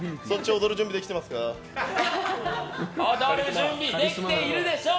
踊る準備できているでしょう！